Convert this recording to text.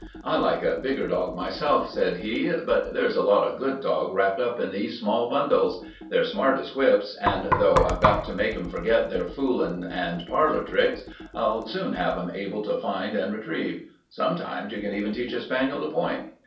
"I like a bigger dog, myself," said he, "but there's a lot of good dog wrapped up in these small bundles. They're smart as whips, and though I've got to make 'em forget their foolin' and parlor tricks, I'll soon have 'em able to find and retrieve. Sometimes you can even teach a spaniel to point."